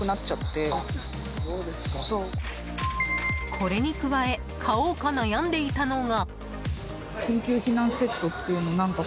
これに加え買おうか悩んでいたのが。